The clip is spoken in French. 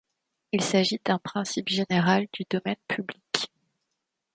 Il s'agit d'un principe général du domaine public.